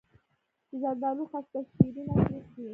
د زردالو خسته شیرین او تریخ وي.